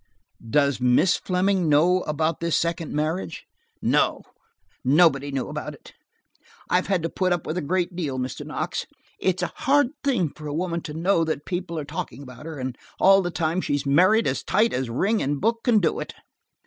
"Does Miss Fleming know about this second marriage?" "No. Nobody knew about it. I have had to put up with a great deal, Mr. Knox. It's a hard thing for a woman to know that people are talking about her, and all the time she's married as tight as ring and book can do it."